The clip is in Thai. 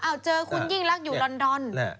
เอาเจอคุณยิ่งรักอยู่ลอนดอน